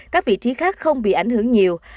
các vị trí khác không bị ảnh hưởng nhiều